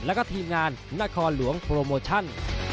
แล้วก็ทีมงานนครหลวงโปรโมชั่น